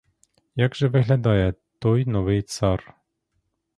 Як же виглядає той новий цар?